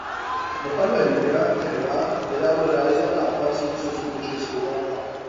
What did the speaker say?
Nepanuje důvěra, že nová, nedávno realizovaná opatření jsou skutečně zkoumána.